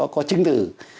có chứng từ